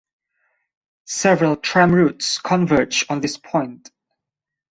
Several tram routes converge on this point.